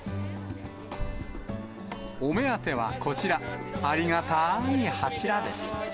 お目当てはこちら、ありがたーい柱です。